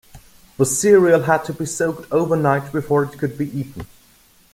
The cereal had to be soaked overnight before it could be eaten.